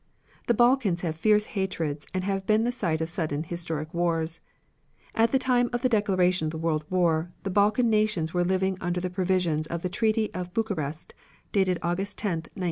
The Balkans have fierce hatreds and have been the site of sudden historic wars. At the time of the declaration of the World War, the Balkan nations were living under the provisions of the Treaty of Bucharest, dated August 10, 1913.